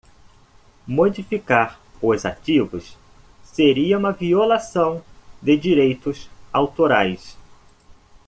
Modificar os ativos seria uma violação de direitos autorais.